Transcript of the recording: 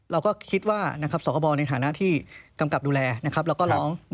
เราก็คิดว่าสคบในฐานะที่กำกับดูแลแล้วก็ร้อง